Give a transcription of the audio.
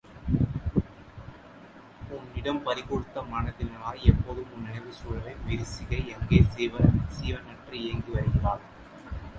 உன்னிடம் பறிகொடுத்த மனத்தினளாய் எப்போதும் உன் நினைவு சூழவே விரிசிகை அங்கே சீவனற்று இயங்கி வருகின்றாள்.